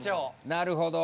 なるほど。